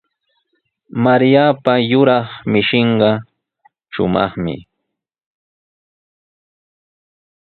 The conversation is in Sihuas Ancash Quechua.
Mariapa yuraq mishinqa shumaqmi.